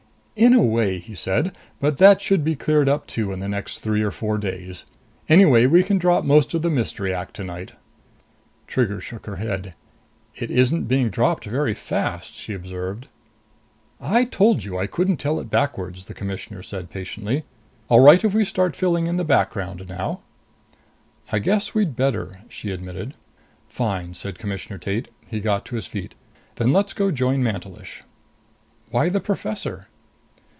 "In a way," he said. "But that should be cleared up too in the next three or four days. Anyway we can drop most of the mystery act tonight." Trigger shook her head. "It isn't being dropped very fast!" she observed. "I told you I couldn't tell it backwards," the Commissioner said patiently. "All right if we start filling in the background now?" "I guess we'd better," she admitted. "Fine," said Commissioner Tate. He got to his feet. "Then let's go join Mantelish." "Why the professor?"